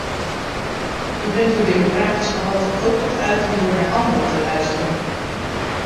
U brengt uw democratisch gehalte ook tot uiting door naar anderen te luisteren!